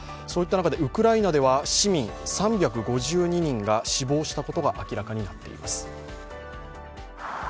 そういった中でウクライナでは市民３５２人が死亡したことが明らかになっています。